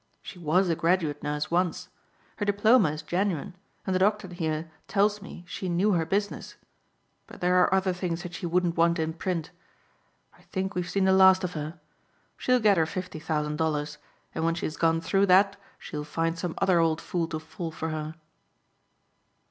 She was a graduate nurse once. Her diploma is genuine and the doctor here tells me she knew her business, but there are other things that she wouldn't want in print. I think we've seen the last of her. She'll get her fifty thousand dollars and when she's gone through that she'll find some other old fool to fall for her."